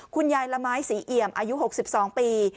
คุณยายละไม้ศรีเอี่ยมอายุ๖๒ปี